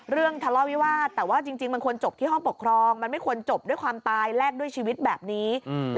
ทะเลาะวิวาสแต่ว่าจริงมันควรจบที่ห้องปกครองมันไม่ควรจบด้วยความตายแลกด้วยชีวิตแบบนี้